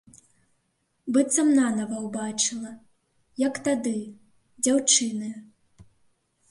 Быццам нанава ўбачыла, як тады, дзяўчынаю.